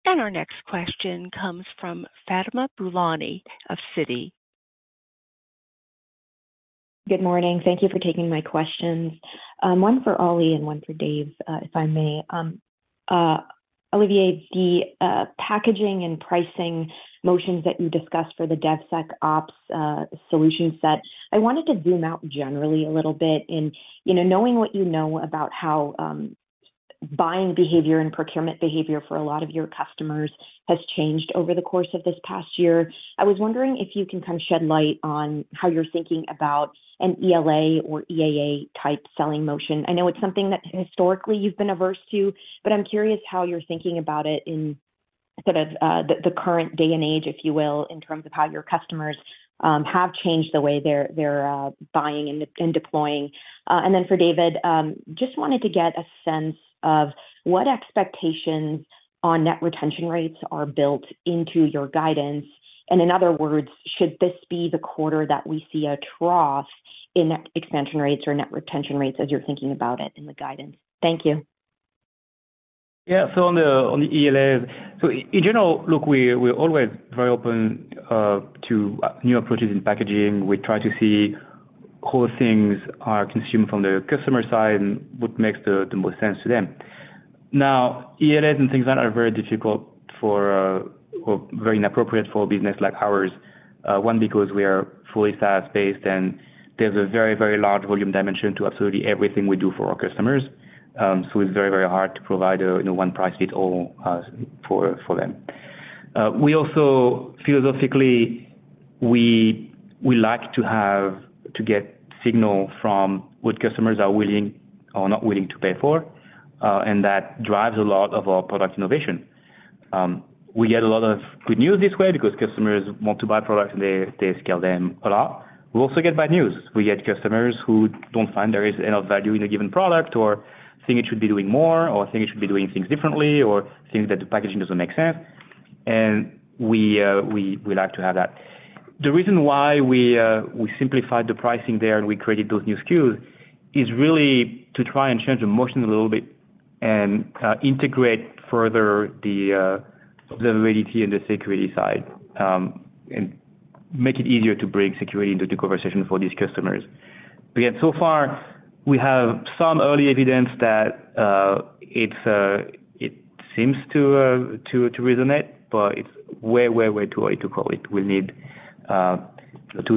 Our next question comes from Fatima Boolani of Citi.
Good morning. Thank you for taking my questions. One for Oli and one for Dave, if I may. Olivier, the packaging and pricing motions that you discussed for the DevSecOps solution set, I wanted to zoom out generally a little bit and knowing what you know about how buying behavior and procurement behavior for a lot of your customers has changed over the course of this past year, I was wondering if you can kind of shed light on how you're thinking about an ELA or EA-type selling motion. I know it's something that historically you've been averse to, but I'm curious how you're thinking about it in sort of the current day and age, if you will, in terms of how your customers have changed the way they're buying and deploying. And then for David, just wanted to get a sense of what expectations on net retention rates are built into your guidance. In other words, should this be the quarter that we see a trough in expansion rates or net retention rates as you're thinking about it in the guidance? Thank you.
Yeah. So on the ELA, in general, look, we're always very open to new approaches in packaging. We try to see how things are consumed from the customer side and what makes the most sense to them. Now, ELAs and things that are very difficult for or very inappropriate for a business like ours, one, because we are fully SaaS-based, and there's a very, very large volume dimension to absolutely everything we do for our customers. So it's very, very hard to provide a you know one price fits all for them. We also philosophically like to get signal from what customers are willing or not willing to pay for, and that drives a lot of our product innovation. We get a lot of good news this way because customers want to buy products, and they, they scale them a lot. We also get bad news. We get customers who don't find there is enough value in a given product or think it should be doing more or think it should be doing things differently or think that the packaging doesn't make sense, and we like to have that. The reason why we simplified the pricing there and we created those new SKUs is really to try and change the motion a little bit and integrate further the observability and the security side, and make it easier to bring security into the conversation for these customers. But yet, so far, we have some early evidence that it seems to resonate, but it's way, way, way too early to call it. We'll need 2,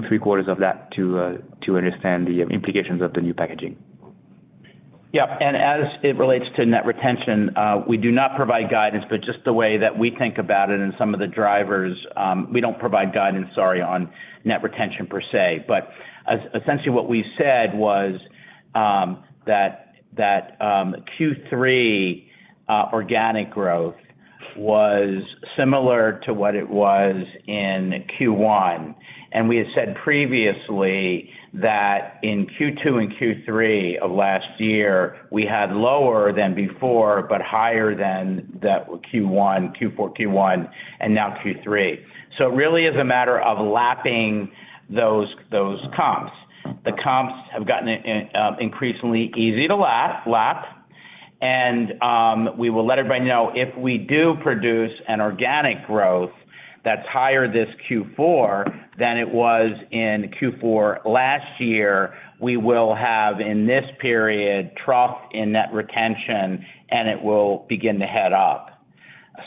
3 quarters of that to understand the implications of the new packaging.
Yeah, and as it relates to net retention, we do not provide guidance, but just the way that we think about it and some of the drivers, we don't provide guidance, sorry, on net retention per se. But essentially what we said was, that Q3 organic growth was similar to what it was in Q1. And we had said previously that in Q2 and Q3 of last year, we had lower than before, but higher than the Q1, Q4, Q1, and now Q3. So it really is a matter of lapping those comps. The comps have gotten in increasingly easy to lap, and we will let everybody know if we do produce an organic growth that's higher this Q4 than it was in Q4 last year, we will have, in this period, trough in net retention, and it will begin to head up.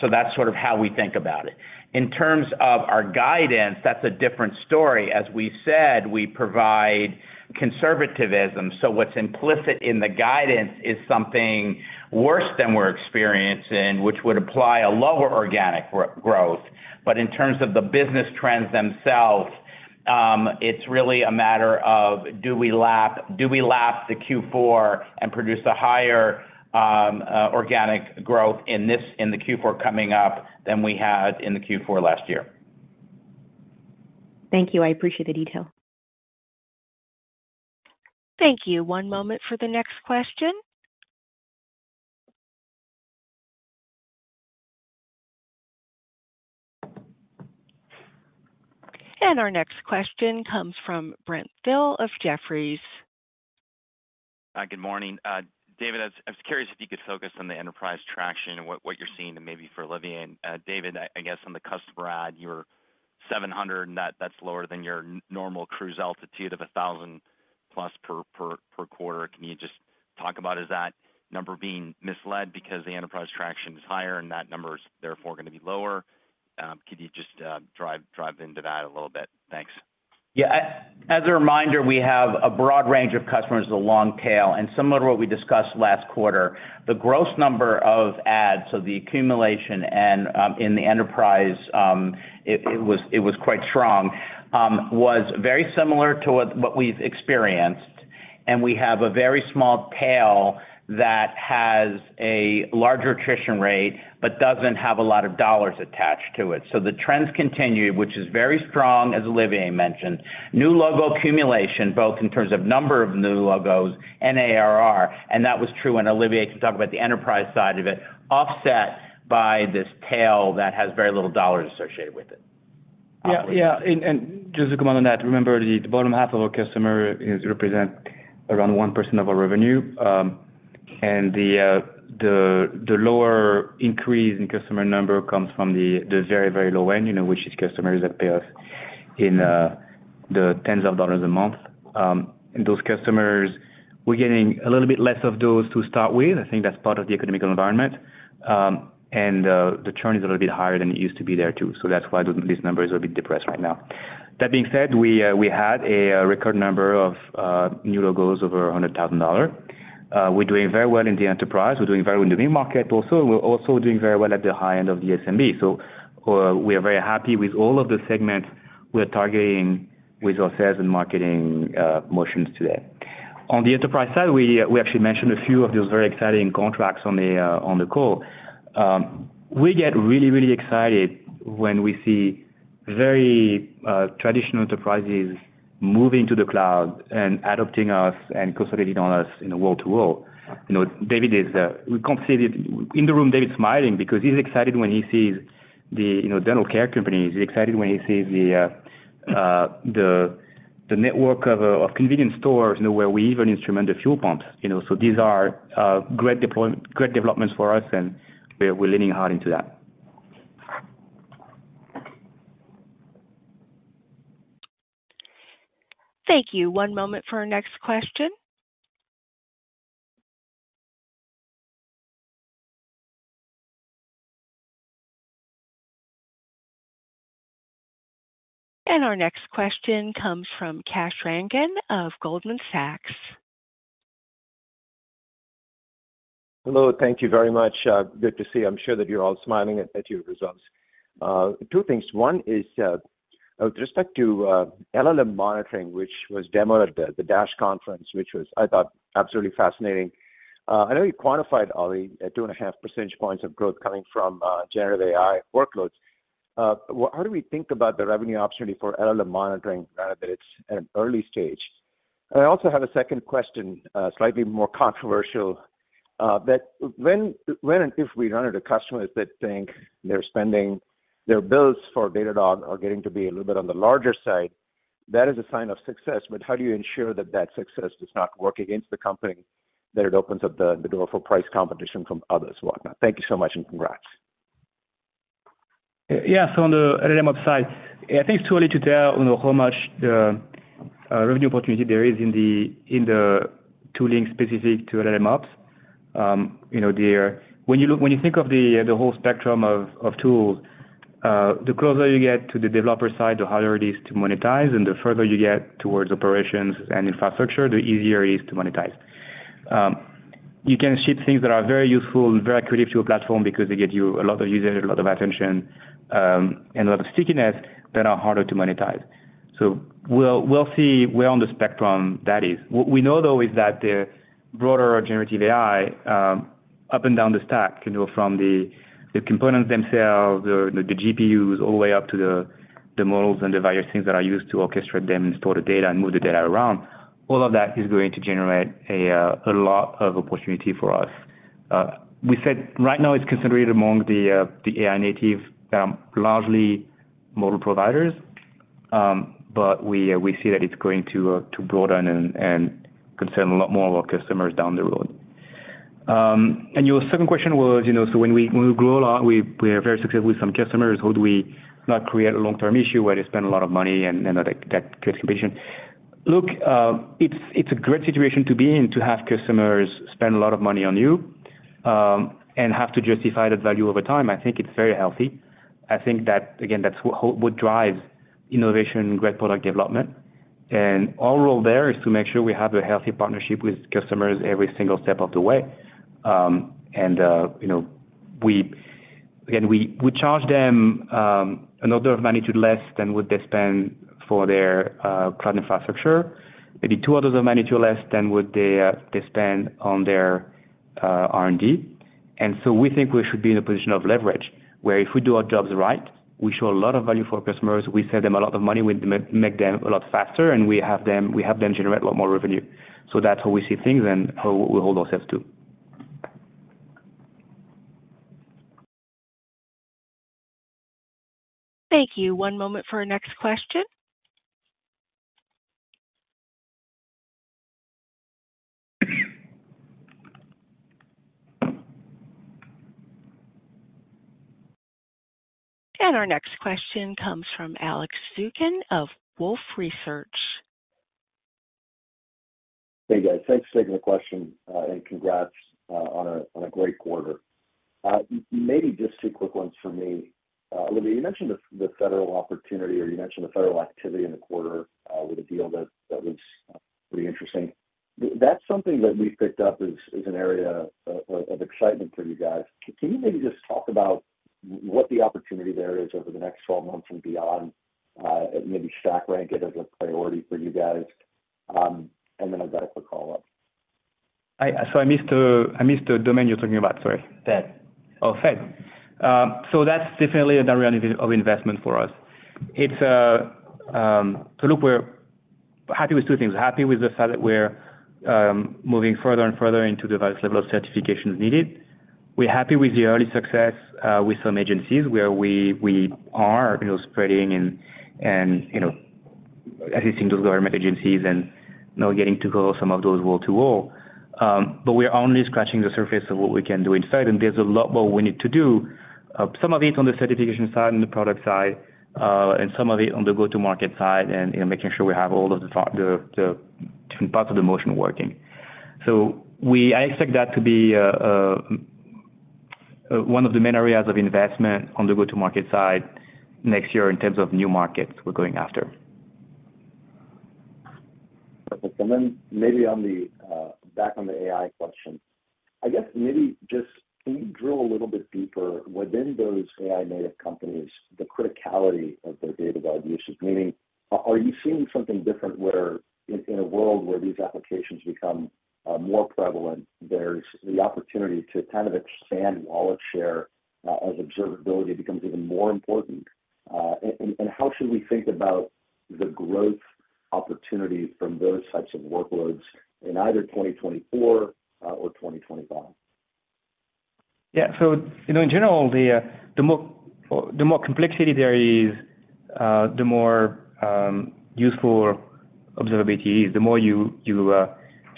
So that's sort of how we think about it. In terms of our guidance, that's a different story. As we've said, we provide conservativism, so what's implicit in the guidance is something worse than we're experiencing, which would apply a lower organic growth. But in terms of the business trends themselves, it's really a matter of, do we lap the Q4 and produce a higher organic growth in this in the Q4 coming up than we had in the Q4 last year?
Thank you. I appreciate the detail.
Thank you. One moment for the next question. Our next question comes from Brent Thill of Jefferies.
Good morning. David, I was curious if you could focus on the enterprise traction and what you're seeing and maybe for Olivier. David, I guess on the customer add, your 700, and that's lower than your normal cruise altitude of 1,000 plus per quarter. Can you just talk about, is that number being misled because the enterprise traction is higher and that number is therefore going to be lower? Could you just dive into that a little bit? Thanks.
Yeah. As a reminder, we have a broad range of customers with a long tail. And similar to what we discussed last quarter, the gross number of adds, so the accumulation and in the enterprise, it was quite strong, was very similar to what we've experienced, and we have a very small tail that has a larger attrition rate but doesn't have a lot of dollars attached to it. So the trends continue, which is very strong, as Olivier mentioned. New logo accumulation, both in terms of number of new logos and ARR, and that was true, and Olivier can talk about the enterprise side of it, offset by this tail that has very little dollars associated with it.
.Yeah, yeah, and just to come on that, remember the bottom half of our customer is represent around 1% of our revenue. And the lower increase in customer number comes from the very, very low end which is customers that pay us in the tens of dollars a month. And those customers, we're getting a little bit less of those to start with. I think that's part of the economic environment. And the churn is a little bit higher than it used to be there too. So that's why these numbers are a bit depressed right now. That being said, we had a record number of new logos over $100,000. We're doing very well in the enterprise. We're doing very well in the SMB market also, and we're also doing very well at the high end of the SMB. So, we are very happy with all of the segments we're targeting with our sales and marketing motions today. On the enterprise side, we actually mentioned a few of those very exciting contracts on the call. We get really, really excited when we see very traditional enterprises moving to the cloud and adopting us and consolidating on us in a wall-to-wall. You know, David is. We can't see it in the room. David's smiling because he's excited when he sees the dental care companies. He's excited when he sees the network of convenience stores where we even instrument the fuel pump. So these are great deployment, great developments for us, and we're, we're leaning hard into that.
Thank you. One moment for our next question. Our next question comes from Kash Rangan of Goldman Sachs.
Hello, thank you very much. Good to see you. I'm sure that you're all smiling at your results. 2 things. 1 is, with respect to, LLM monitoring, which was demoed at the DASH conference, which was, I thought, absolutely fascinating. I know you quantified, Oli, at 2.5 percentage points of growth coming from generative AI workloads. How do we think about the revenue opportunity for LLM monitoring, granted that it's an early stage? I also have a second question, slightly more controversial. That when and if we run into customers that think they're spending, their bills for Datadog are getting to be a little bit on the larger side, that is a sign of success. But how do you ensure that that success does not work against the company, that it opens up the door for price competition from others? Whatnot. Thank you so much, and congrats.
Yeah. So on the LLMOps side, I think it's too early to tell how much revenue opportunity there is in the, in the tooling specific to LLMOps. You know, when you think of the whole spectrum of tools, the closer you get to the developer side, the harder it is to monetize, and the further you get towards operations and infrastructure, the easier it is to monetize. You can ship things that are very useful and very creative to a platform because they get you a lot of users, a lot of attention, and a lot of stickiness that are harder to monetize. So we'll see where on the spectrum that is. What we know, though, is that the broader generative AI up and down the stack from the components themselves, the GPUs, all the way up to the models and the various things that are used to orchestrate them and store the data and move the data around, all of that is going to generate a lot of opportunity for us. We said right now it's concentrated among the AI-native, largely model providers. But we see that it's going to broaden and concern a lot more of our customers down the road. And your second question was so when we grow a lot, we are very successful with some customers, how do we not create a long-term issue where they spend a lot of money and that creates competition? Look, it's a great situation to be in, to have customers spend a lot of money on you and have to justify that value over time. I think it's very healthy. I think that, again, that's what drives innovation and great product development. And our role there is to make sure we have a healthy partnership with customers every single step of the way. and again, we charge them an order of magnitude less than what they spend for their cloud infrastructure. Maybe two orders of magnitude less than what they, they spend on their R&D. And so we think we should be in a position of leverage, where if we do our jobs right, we show a lot of value for our customers, we save them a lot of money, we make them a lot faster, and we have them generate a lot more revenue. So that's how we see things and how we hold ourselves to.
Thank you. One moment for our next question. Our next question comes from Alex Zukin of Wolfe Research.
Hey, guys. Thanks for taking the question, and congrats on a great quarter. Maybe just two quick ones for me. Olivier, you mentioned the federal opportunity, or you mentioned the federal activity in the quarter, with a deal that was pretty interesting. That's something that we've picked up as an area of excitement for you guys. Can you maybe just talk about what the opportunity there is over the next 12 months and beyond? And maybe stack rank it as a priority for you guys. And then I've got a quick follow-up.
I missed the domain you're talking about, sorry.
Fed.
Oh, Fed. So that's definitely an area of investment for us. It's so look, we're happy with two things. Happy with the fact that we're moving further and further into the various level of certifications needed. We're happy with the early success with some agencies where we are spreading and, and assisting those government agencies and now getting to go some of those wall-to-wall. But we are only scratching the surface of what we can do inside, and there's a lot more we need to do. Some of it on the certification side and the product side, and some of it on the go-to-market side, and making sure we have all of the top, the, the parts of the motion working. I expect that to be one of the main areas of investment on the go-to-market side next year in terms of new markets we're going after.
Perfect. And then maybe on the, back on the AI question, I guess maybe just can you drill a little bit deeper within those AI-native companies, the criticality of their Datadog uses? Meaning, are you seeing something different where in, in a world where these applications become, more prevalent, there's the opportunity to kind of expand wallet share, as observability becomes even more important? And, and how should we think about the growth opportunity from those types of workloads in either 2024, or 2025?
Yeah. so in general, the more, the more complexity there is, the more useful observability is, the more you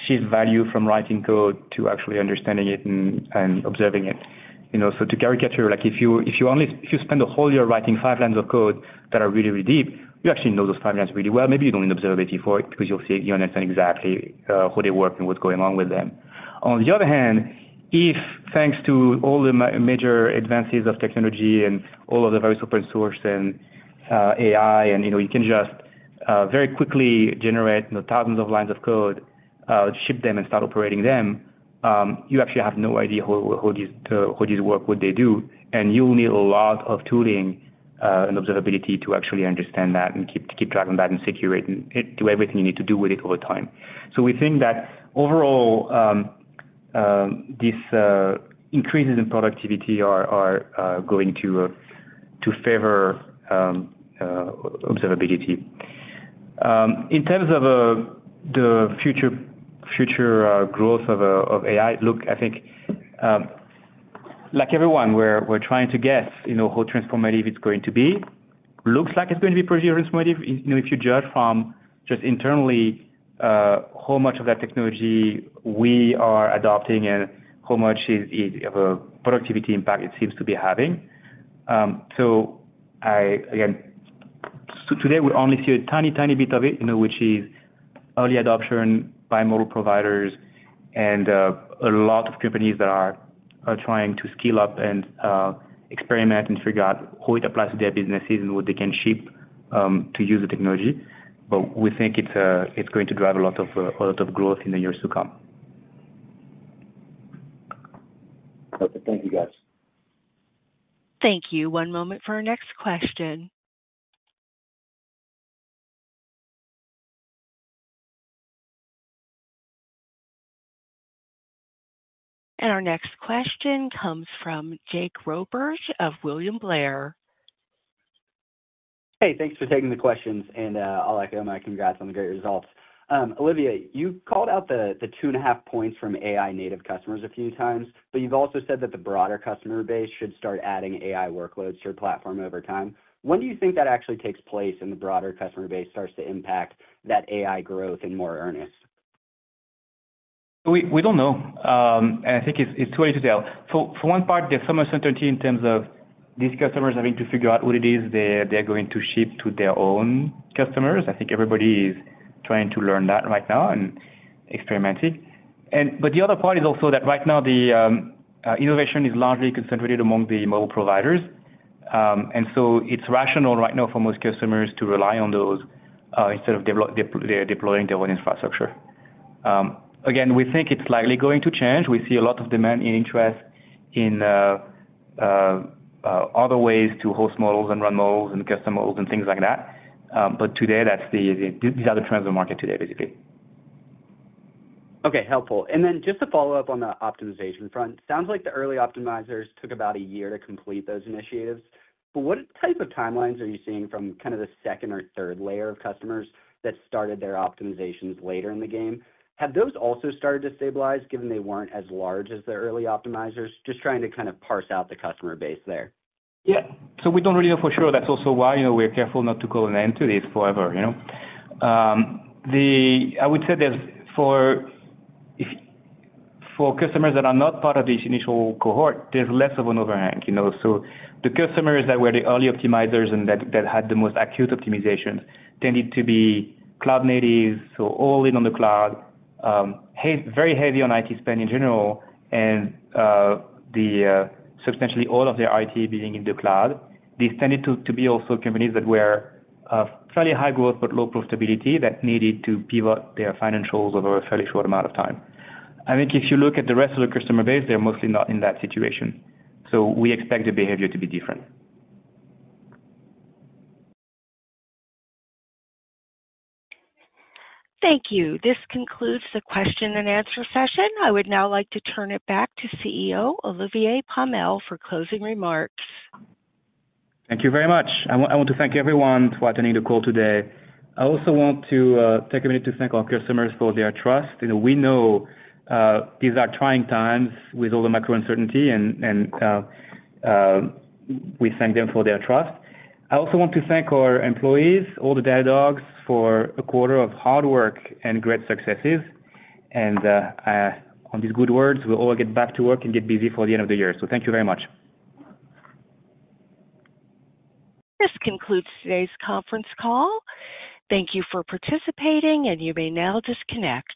see value from writing code to actually understanding it and observing it. You know, so to caricature, like, if you spend a whole year writing five lines of code that are really, really deep, you actually know those five lines really well. Maybe you don't need observability for it because you'll see, you understand exactly how they work and what's going on with them. On the other hand, if, thanks to all the major advances of technology and all of the various open source and AI, and you can just very quickly generate thousands of lines of code, ship them and start operating them, you actually have no idea how these work, what they do, and you'll need a lot of tooling and observability to actually understand that and keep driving that and secure it and do everything you need to do with it over time. So we think that overall, this increases in productivity are going to favor observability. In terms of the future growth of AI, look, I think, like everyone, we're trying to guess how transformative it's going to be. Looks like it's going to be pretty transformative if you judge from just internally how much of that technology we are adopting and how much of a productivity impact it seems to be having. So I, again, so today we only see a tiny, tiny bit of it which is early adoption by model providers and a lot of companies that are trying to scale up and experiment and figure out how it applies to their businesses and what they can ship to use the technology. But we think it's going to drive a lot of growth in the years to come.
Okay. Thank you, guys.
Thank you. One moment for our next question. Our next question comes from Jake Roberge of William Blair.
Hey, thanks for taking the questions, and, I'll echo my congrats on the great results. Olivier, you called out the 2.5 points from AI native customers a few times, but you've also said that the broader customer base should start adding AI workloads to your platform over time. When do you think that actually takes place, and the broader customer base starts to impact that AI growth in more earnest?
We don't know. And I think it's too early to tell. For one part, there's some uncertainty in terms of these customers having to figure out what it is they're going to ship to their own customers. I think everybody is trying to learn that right now and experimenting. But the other part is also that right now, the innovation is largely concentrated among the model providers. And so it's rational right now for most customers to rely on those instead of deploying their own infrastructure. Again, we think it's likely going to change. We see a lot of demand and interest in other ways to host models and run models and custom models and things like that. But today, these are the trends of the market today, basically.
Okay, helpful. And then just to follow up on the optimization front. Sounds like the early optimizers took about a year to complete those initiatives, but what type of timelines are you seeing from kind of the second or third layer of customers that started their optimizations later in the game? Have those also started to stabilize, given they weren't as large as the early optimizers? Just trying to kind of parse out the customer base there.
Yeah. So we don't really know for sure. That's also why we're careful not to call an end to this forever, you know? I would say there's, for customers that are not part of this initial cohort, there's less of an overhang, you know. So the customers that were the early optimizers and that had the most acute optimization, they need to be cloud native, so all in on the cloud, very heavy on IT spend in general and, substantially all of their IT being in the cloud. They tended to be also companies that were, fairly high growth but low profitability, that needed to pivot their financials over a fairly short amount of time. I think if you look at the rest of the customer base, they're mostly not in that situation, so we expect the behavior to be different.
Thank you. This concludes the question and answer session. I would now like to turn it back to CEO Olivier Pomel for closing remarks.
Thank you very much. I want to thank everyone for attending the call today. I also want to take a minute to thank our customers for their trust. You know, we know these are trying times with all the macro uncertainty and we thank them for their trust. I also want to thank our employees, all the Datadogs, for a quarter of hard work and great successes. On these good words, we'll all get back to work and get busy for the end of the year. So thank you very much.
This concludes today's conference call. Thank you for participating, and you may now disconnect.